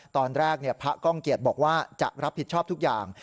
ตอนแรกพระก้องเกียจบอกว่าจะรับผิดชอบทุกอย่าง